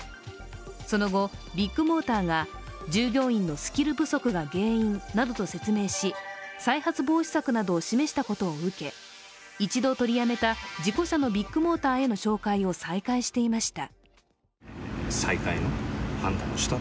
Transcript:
その後、ビッグモーターが従業員のスキル不足が原因など説明し再発防止策などを示したことを受け一度取りやめた事故車のビッグモーターへの紹介を再開していました。